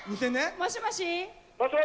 もしもし。